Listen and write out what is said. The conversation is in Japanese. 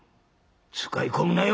使い込むなよ」。